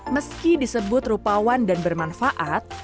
meski disebut rupawan dan bermanfaat